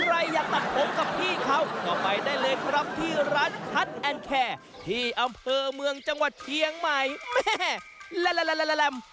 ใครอยากตัดผมกับพี่เขาก็ไปได้เลยครับที่ร้านคัทแอนแคร์ที่อำเภอเมืองจังหวัดเชียงใหม่แม่เล่น